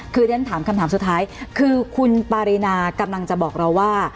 คือเรียนถามคำถามสุดท้ายคือคุณปารีนากำลังจะบอกเราว่า